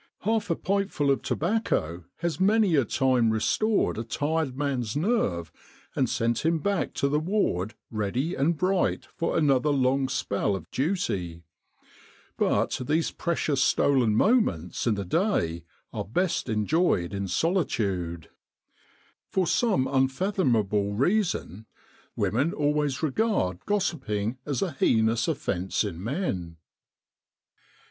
Half a pipeful of tobacco has many a time restored a tired man's nerve and sent him back to the ward ready and bright for another long spell Military General Hospitals in Egypt of duty. But these precious stolen moments in the day are best enjoyed in solitude. For some un fathomable reason, women always regard gossiping as a heinous offence in men.